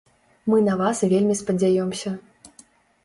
Мы на вас вельмі спадзяёмся.